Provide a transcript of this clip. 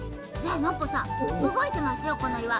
ノッポさんうごいてますよこのいわ。